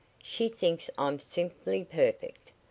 "She thinks I'm simply perfect.